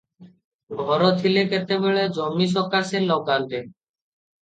ଘର ଥିଲେ କେତେବେଳେ ଜମି ସକାଶେ ଲଗାନ୍ତେ ।